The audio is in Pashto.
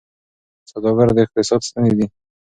سوداګر د اقتصاد ستني دي.